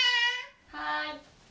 はい。